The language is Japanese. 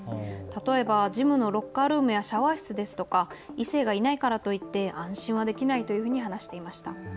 例えばジムのロッカールームやシャワー室ですとか異性がいないからといって安心はできないというふうに話していました。